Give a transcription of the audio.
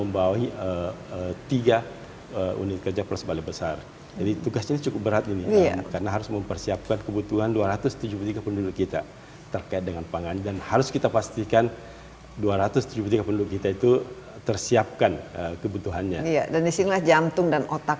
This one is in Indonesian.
bisa untuk buat etanol juga